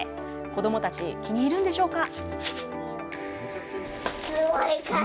子どもたち、気に入るんでしょうか？